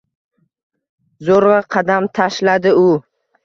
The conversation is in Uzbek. Zo‘rg‘a qadam tashlardi u.